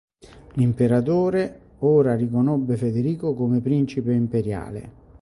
L'imperatore ora riconobbe Federico come principe imperiale.